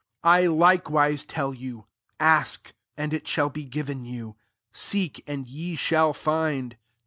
9 " I likewise tell you» A||)4, and it shall be given yoj^;. seek, and ye shall find ; knock.